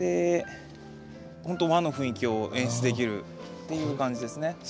ほんと和の雰囲気を演出できるっていう感じですね。